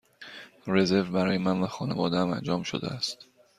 رزرو برای من و خانواده ام انجام شده است.